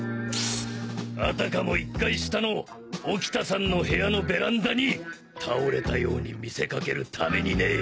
あたかも１階下の沖田さんの部屋のベランダに倒れたように見せかけるためにね。